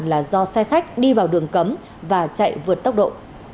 là do xe khách đi vào đường cấm và chạy vượt tốc độ